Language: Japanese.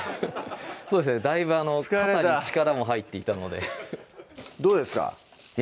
そうですねだいぶ肩に力も入っていたのでどうですか？